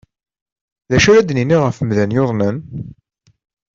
D acu ara d-nini ɣef umdan yuḍnen?